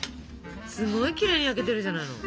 すごいきれいに焼けてるじゃないの。